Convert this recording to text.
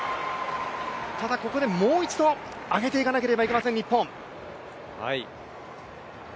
ただ、ここでもう一度上げていかなければなりません、日本。